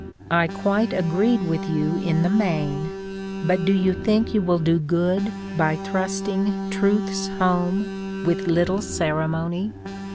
I quite agreed with you in the main, but do you think you will do good by thrusting truths home with little ceremony?"